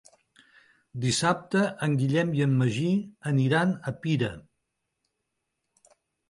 Dissabte en Guillem i en Magí aniran a Pira.